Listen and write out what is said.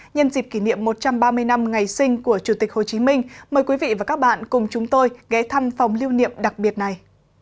nhân dịp kỷ niệm một trăm ba mươi năm ngày sinh của chủ tịch hồ chí minh mời quý vị và các bạn cùng chúng tôi ghé thăm phòng lưu niệm đặc biệt này